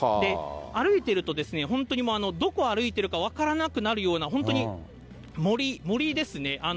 歩いていると、本当にどこ歩いているか分からなくなるような、森ですね。